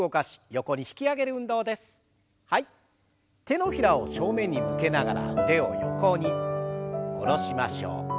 手のひらを正面に向けながら腕を横に下ろしましょう。